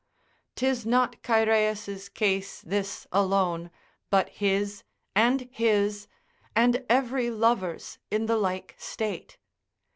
'Tis not Chaereas' case this alone, but his, and his, and every lover's in the like state.